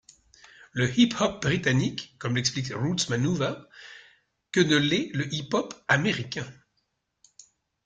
Le hip-hop britannique, comme l'explique Roots Manuva, que ne l'est le hip-hop américain.